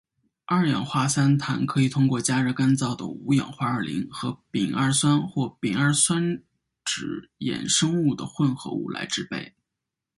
二氧化三碳可以通过加热干燥的五氧化二磷和丙二酸或丙二酸酯衍生物的混合物来制备。